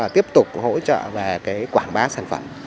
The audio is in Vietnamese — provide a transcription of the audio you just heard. tiếp tục hỗ trợ về quảng bá sản phẩm